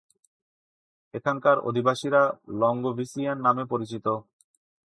এখানকার অধিবাসীরা "লঙ্গোভিসিয়েন" নামে পরিচিত।